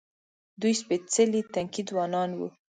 دوی سپېڅلي تنکي ځوانان وو.